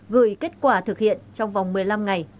gửi kết quả thực hiện trong vòng một mươi năm ngày